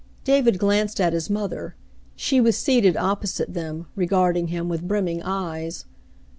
David glanced at his mother. She was seated opposite them, regarding him with brimming eyes.